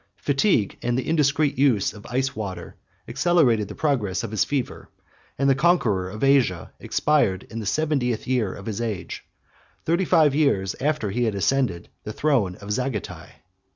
Fatigue, and the indiscreet use of iced water, accelerated the progress of his fever; and the conqueror of Asia expired in the seventieth year of his age, thirty five years after he had ascended the throne of Zagatai.